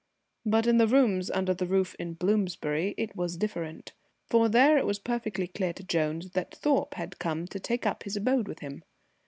But in the rooms under the roof in Bloomsbury it was different, for there it was perfectly clear to Jones that Thorpe had come to take up his abode with him.